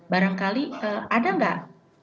barangkali ada gak